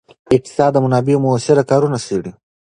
اقتصاد د منابعو مؤثره کارونه څیړي.